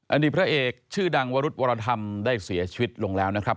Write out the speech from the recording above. อดีตพระเอกชื่อดังวรุธวรธรรมได้เสียชีวิตลงแล้วนะครับ